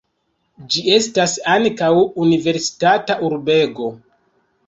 Ĝi estas ankaŭ universitata urbego.